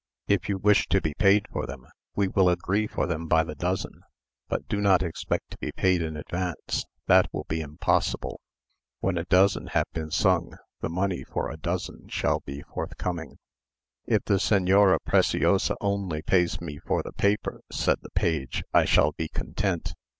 If you wish to be paid for them, we will agree for them by the dozen; but do not expect to be paid in advance; that will be impossible. When a dozen have been sung, the money for a dozen shall be forthcoming." "If the Señora Preciosa only pays me for the paper," said the page, "I shall be content.